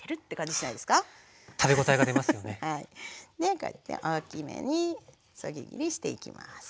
こうやって大きめにそぎ切りしていきます。